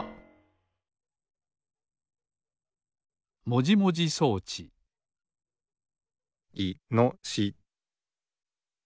もじもじ装置いのし。